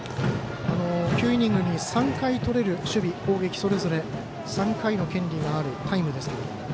９イニングに３回取れる守備、攻撃とそれぞれ３回の権利があるタイムですが。